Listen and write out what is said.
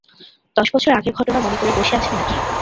দশ বৎসর আগের ঘটনা মনে করে বসে আছেন নাকি?